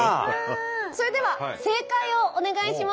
それでは正解をお願いします。